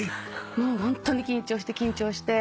もうホントに緊張して緊張して。